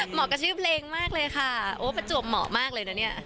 เหมาะกับชื่อเพลงมากเลยค่ะโอ้ประจวบเหมาะมากเลยนะเนี่ย